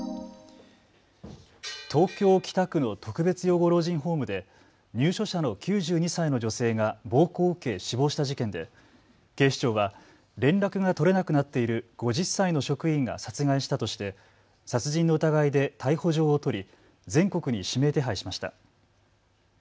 東京北区の特別養護老人ホームで入所者の９２歳の女性が暴行を受け死亡した事件で警視庁は連絡が取れなくなっている５０歳の職員が殺害したとして殺人の疑いで逮捕状を取り全国に指名手配しました。